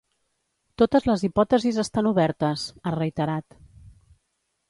Totes les hipòtesis estan obertes, ha reiterat.